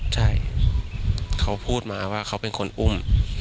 ใช่เขาพูดมาว่าเขาเป็นคนอุ้ม